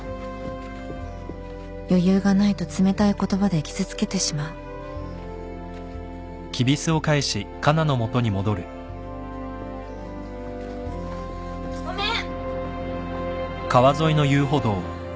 余裕がないと冷たい言葉で傷つけてしまうごめん。